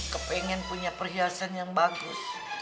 kepengen punya perhiasan yang bagus